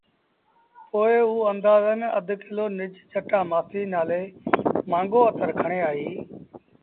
پوء اوٚ اندآزݩ اڌ ڪلو نج جٽآ مآسيٚ نآلي مآݩگو اتر کڻي آئي۔